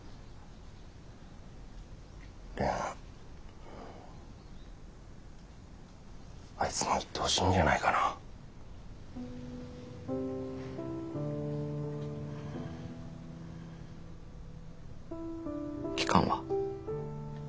蓮あいつも行ってほしいんじゃないかな。期間は？